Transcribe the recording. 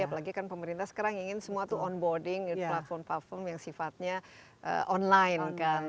apalagi kan pemerintah sekarang ingin semua itu on boarding platform platform yang sifatnya online